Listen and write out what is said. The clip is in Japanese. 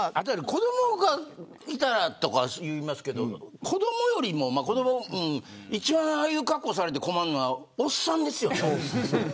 子どもがいたらとか言いますけど子どもよりもああいう格好をされて困るのはおっさんですよね。